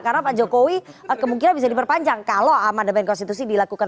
karena pak jokowi kemungkinan bisa diperpanjang kalau amandemen konstitusi dilakukan